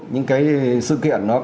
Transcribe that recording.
những cái sự kiện đó